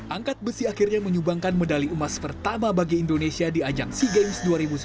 angkat besi akhirnya menyumbangkan medali emas pertama bagi indonesia di ajang sea games dua ribu sembilan belas